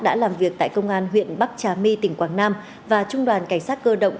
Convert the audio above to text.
đã làm việc tại công an huyện bắc trà my tỉnh quảng nam và trung đoàn cảnh sát cơ động